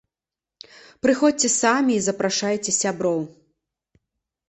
Прыходзьце самі і запрашайце сяброў!